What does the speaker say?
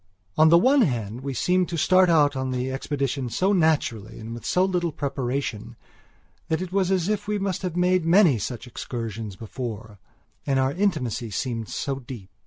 On the one hand we seemed to start out on the expedition so naturally and with so little preparation, that it was as if we must have made many such excursions before; and our intimacy seemed so deep....